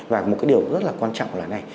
và một cái điều rất là quan trọng là này